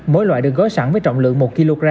mỗi loại được gói sẵn với trọng lượng một kg